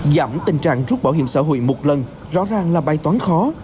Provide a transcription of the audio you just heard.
giảm tình trạng rút bảo hiểm xã hội một lần rõ ràng là bài toán khó